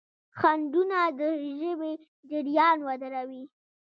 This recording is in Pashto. خنډونه د ژبې جریان ودروي.